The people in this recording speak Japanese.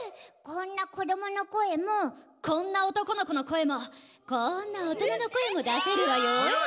こんなこどもの声もこんなおとこのこの声もこんなおとなの声もだせるわよ。